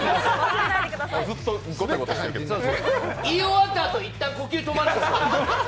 言い終わったあと、いったん呼吸止まるんですよね。